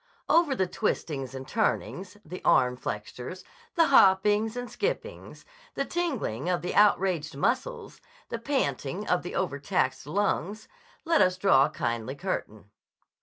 Over the twistings and turnings, the arm flexures, the hoppings and skippings, the tingling of the outraged muscles, the panting of the overtaxed lungs, let us draw a kindly curtain.